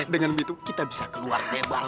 dengan begitu kita bisa keluar bebas